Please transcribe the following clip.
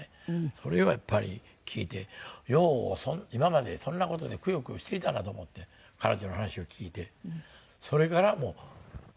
それをやっぱり聞いてよう今までそんな事でくよくよしていたなと思って彼女の話を聞いて。